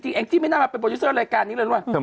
จริงแอ็งซี่ไม่น่ามาเป็นโปรดิสเซอร์รายการนี้เลยว่ะ